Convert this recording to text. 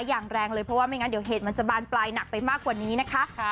อย่างแรงเลยเพราะว่าไม่งั้นเดี๋ยวเหตุมันจะบานปลายหนักไปมากกว่านี้นะคะ